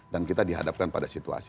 dan kita dihadapkan pada situasi